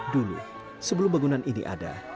dulu sebelum bangunan ini ada